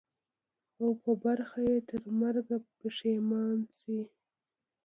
او په برخه یې ترمرګه پښېماني سي